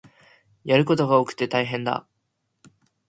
やることが多くて大変だ